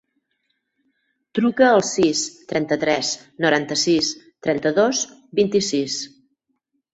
Truca al sis, trenta-tres, noranta-sis, trenta-dos, vint-i-sis.